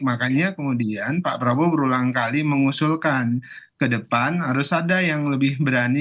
makanya kemudian pak prabowo berulang kali mengusulkan ke depan harus ada yang lebih berani